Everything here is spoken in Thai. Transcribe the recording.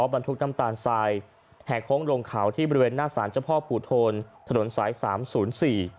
บรรทุกน้ำตาลทรายแห่โค้งลงเขาที่บริเวณหน้าสารเจ้าพ่อปู่โทนถนนสายสามศูนย์สี่